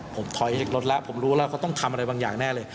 ผมถอยจากรถแล้วผมรู้แล้วเขาต้องทำอะไรบางอย่างแน่เลย